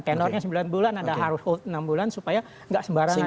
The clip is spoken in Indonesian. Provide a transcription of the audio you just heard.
tenornya sembilan bulan anda harus hold enam bulan supaya nggak sembarangan bisa licuan